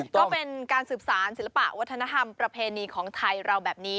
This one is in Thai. ก็เป็นการสืบสารศิลปะวัฒนธรรมประเพณีของไทยเราแบบนี้